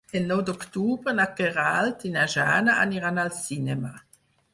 El nou d'octubre na Queralt i na Jana aniran al cinema.